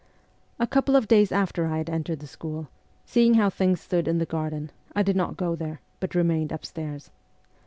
A couple of days after I had entered the school, seeing how things stood in the gar den, I did not go there, but remained upstairs.